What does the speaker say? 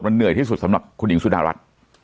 มันเหนื่อยที่สุดสำหรับคุณหญิงสุดารัฐ